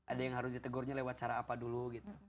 ada yang harus di tegurnya lewat cara apa dulu